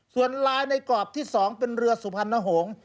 ส่วนลายในกรอบที่๒เป็นเรือสุพรรณหงษ์